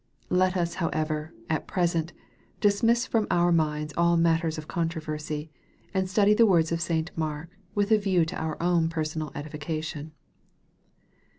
Let us however, at present, dismiss from our minds all matters of controversy, and study the words of St. Mark with a view to our own personal edification.